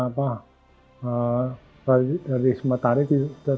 tapi yang lawatnya itu sebetulnya tidak